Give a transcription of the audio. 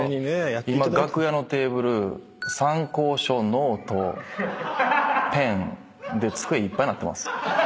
今楽屋のテーブル参考書ノートペンで机いっぱいになってます。